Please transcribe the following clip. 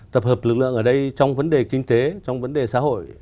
tập hợp lực lượng ở đây trong vấn đề kinh tế trong vấn đề xã hội